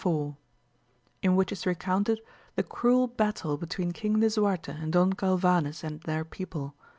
— In which is recounted the cruel battle between King . Lisuarte and Don Galyanes and their people.